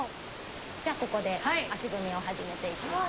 じゃあここで足踏みを始めていきます。